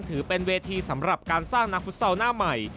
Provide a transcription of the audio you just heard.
ถือเป็นเวทีสำหรับการสร้างนักฟุตซอลหน้าใหม่